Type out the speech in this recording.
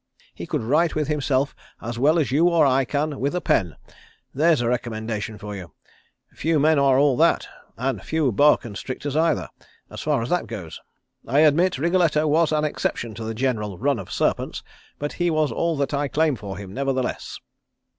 He could write with himself as well as you or I can with a pen. There's a recommendation for you. Few men are all that and few boa constrictors either, as far as that goes. I admit Wriggletto was an exception to the general run of serpents, but he was all that I claim for him, nevertheless."